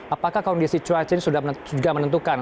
apakah kondisi cuaca ini sudah menentukan